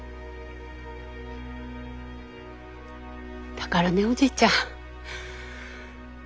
だからねおじいちゃん。